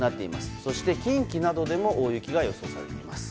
そして近畿などでも大雪が予想されています。